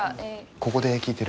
ここで聞いてる。